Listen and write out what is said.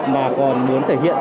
mà còn muốn thể hiện